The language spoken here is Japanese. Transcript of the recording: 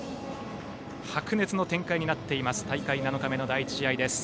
白熱の展開になっている大会７日目の第１試合です。